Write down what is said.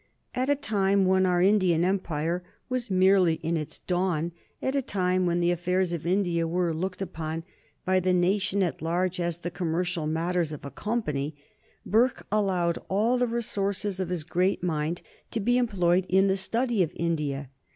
At a time when our Indian Empire was merely in its dawn, at a time when the affairs of India were looked upon by the nation at large as the commercial matters of a company, Burke allowed all the resources of his great mind to be employed in the study of India.